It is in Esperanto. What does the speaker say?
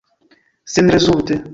Senrezulte.